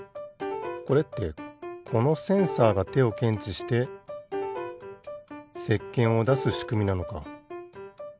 これってこのセンサーがてをけんちしてせっけんをだすしくみなのか。